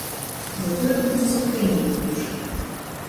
Затое будзе спакайней на душы.